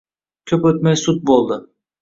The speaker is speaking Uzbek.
Ko`p o`tmay sud bo`ldi